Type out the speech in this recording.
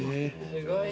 すごい。